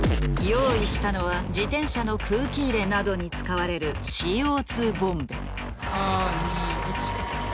用意したのは自転車の空気入れなどに使われるＣＯ２ボンベ。